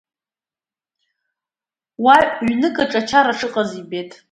Уа ҩнык аҿы ачара шыҟаз ибеит.